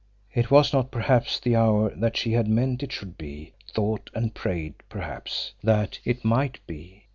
It was not, perhaps, the hour that she had meant it should be, thought and prayed, perhaps, that it might be!